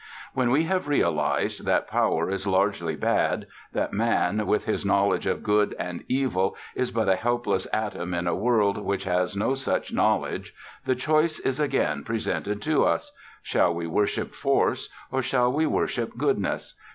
When we have realized that Power is largely bad, that man, with his knowledge of good and evil, is but a helpless atom in a world which has no such knowledge, the choice is again presented to us: Shall we worship Force, or shall we worship Goodness?